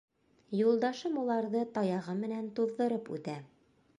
Юлдашым уларҙы таяғы менән туҙҙырып үтә.